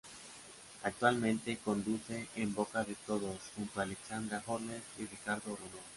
Actualmente conduce "En boca De todos", junto a Alexandra Horler, y Ricardo Rondón.